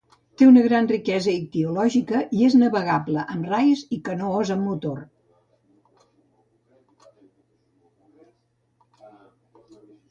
Té una gran riquesa ictiològica i és navegable amb rais i canoes amb motor.